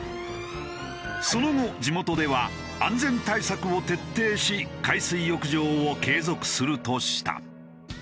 その後地元では安全対策を徹底し海水浴場を継続するとした。